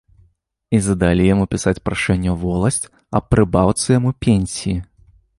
І задалі яму пісаць прашэнне ў воласць аб прыбаўцы яму пенсіі.